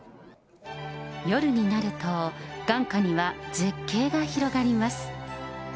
夜になると、眼下には絶景が広がります。